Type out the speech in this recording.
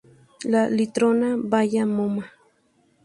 La litrona...¡vaya mona!